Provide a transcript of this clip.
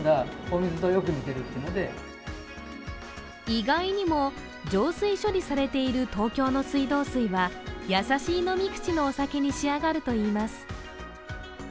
意外にも、浄水処理されている東京の水道水は、優しい飲み口のお酒に仕上がるといいます。